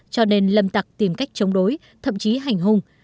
cho nên lâm tặc tìm cách chống đối thậm chí hành hung